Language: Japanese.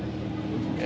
え